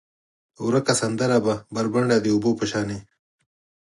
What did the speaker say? ورکه سندره به، بربنډه د اوبو په شانې،